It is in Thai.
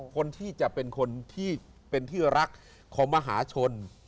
คนที่จะเป็นที่รักของมหาชน